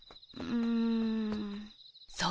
うん。